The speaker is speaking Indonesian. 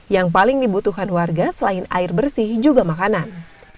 yang paling dibutuhkan warga selain air bersih juga makanan